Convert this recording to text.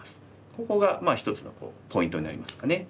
ここが一つのポイントになりますかね。